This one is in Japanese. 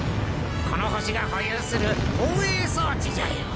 この星が保有する防衛装置じゃよ。